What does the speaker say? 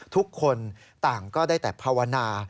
ทุกคนต่างก็ได้แต่ภาวนา